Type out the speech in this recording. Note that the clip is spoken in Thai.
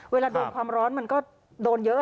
เวลาโดนความร้อนมันก็โดนเยอะ